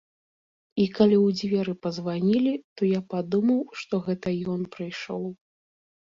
І калі ў дзверы пазванілі, то я падумаў, што гэта ён прыйшоў.